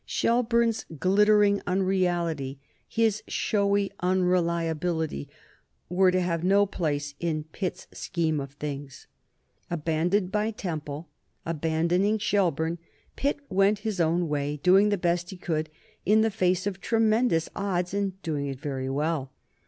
Shelburne's glittering unreality, his showy unreliability, were to have no place in Pitt's scheme of things. Abandoned by Temple, abandoning Shelburne, Pitt went his own way, doing the best he could in the face of tremendous odds and doing it very well.